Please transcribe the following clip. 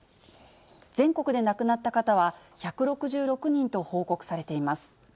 全国で亡くなった方は、１６６人と報告されています。